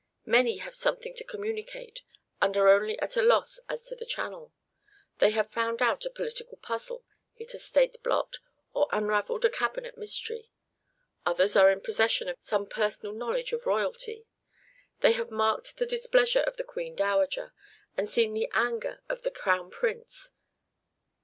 Many have something to communicate, and are only at a loss as to the channel. They have found out a political puzzle, hit a state blot, or unravelled a cabinet mystery. Others are in possession of some personal knowledge of royalty. They have marked the displeasure of the Queen Dowager, or seen the anger of the Crown Prince.